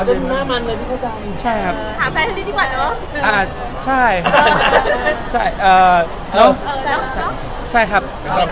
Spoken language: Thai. แบบด้วยใช่ไหมครับ